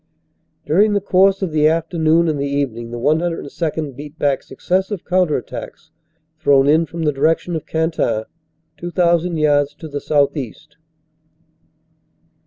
During the course of the afternoon and the evening the 102nd. beat back success ive counter attacks thrown in from the direction of Cantaing, 2,000 yards to the southeast.